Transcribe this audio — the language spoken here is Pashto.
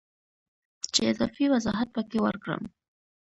چې اضافي وضاحت پکې ورکړم